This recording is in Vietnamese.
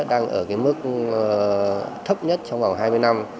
đang ở cái mức thấp nhất trong vòng hai mươi năm